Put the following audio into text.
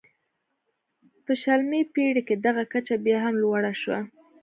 په شلمې پېړۍ کې دغه کچه بیا هم لوړه شوه.